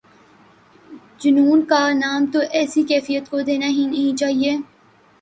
جنون کا نام تو ایسی کیفیت کو دینا ہی نہیں چاہیے۔